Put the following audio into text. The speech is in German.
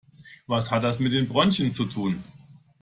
Was hat das mit den Bronchien zu tun?